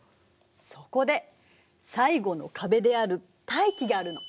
そこで最後の壁である大気があるの。